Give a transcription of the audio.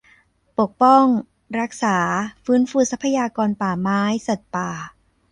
ปกป้อง รักษา ฟื้นฟูทรัพยากรป่าไม้ สัตว์ป่า